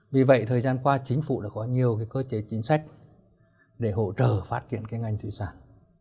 vì vậy thời gian qua chính phủ đã có nhiều cơ chế chính sách để hỗ trợ phát triển ngành thủy sản